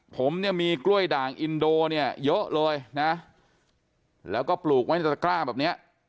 ผมเนี่ยมีกล้วยด่างอินโดเนี่ยเยอะเลยนะแล้วก็ปลูกไว้ในตะกร้าแบบเนี้ย